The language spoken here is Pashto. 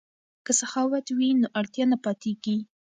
که سخاوت وي نو اړتیا نه پاتیږي.